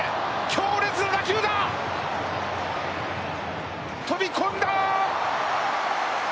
強烈な打球が飛び込んだ！！